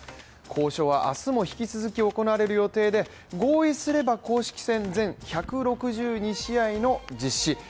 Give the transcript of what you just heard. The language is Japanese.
交渉は明日も引き続き行われる予定で合意すれば、公式戦全１６２試合の実施。